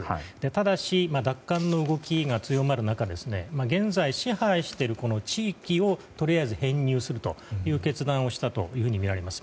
ただし、奪還の動きが強まる中で現在支配している地域をとりあえず編入するという決断をしたとみられます。